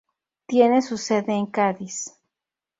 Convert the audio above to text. Tiene su sede en Cádiz.